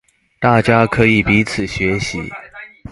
大家可以彼此學習